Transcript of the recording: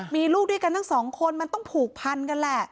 มีลูกด้วยกันทั้งสองคนมันต้องผูกพันกันแหละ